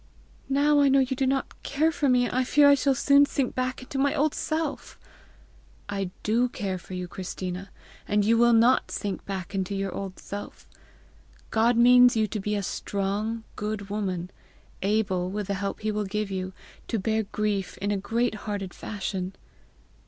"Now I know you do not care for me, I fear I shall soon sink back into my old self!" "I do care for you, Christina, and you will not sink back into your old self. God means you to be a strong, good woman able, with the help he will give you, to bear grief in a great hearted fashion.